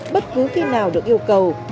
bất cứ khi nào được yêu cầu